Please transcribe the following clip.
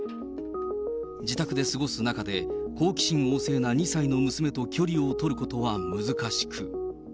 自宅で過ごす中で、好奇心旺盛な２歳の娘と距離を取ることは難しく。